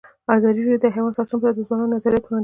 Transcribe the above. ازادي راډیو د حیوان ساتنه په اړه د ځوانانو نظریات وړاندې کړي.